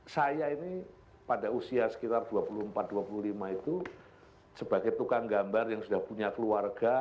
saya ini pada usia sekitar dua puluh empat dua puluh lima itu sebagai tukang gambar yang sudah punya keluarga